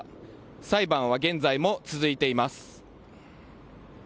裁判は現在も続いています。